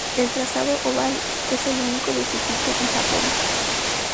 El trazado oval es el único de su tipo en Japón.